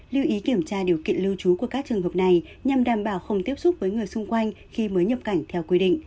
lưu ý kiểm tra điều kiện lưu trú của các trường hợp này nhằm đảm bảo không tiếp xúc với người xung quanh khi mới nhập cảnh theo quy định